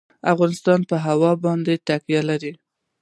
افغانستان په هوا باندې تکیه لري.